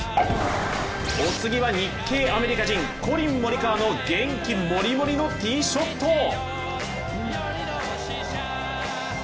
お次は日系アメリカ人コリン・モリカワの元気もりもりのティーショット。